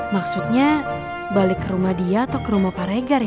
maksudnya balik ke rumah dia atau ke rumah pak regar ya